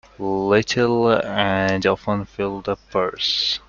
Little and often fill the purse.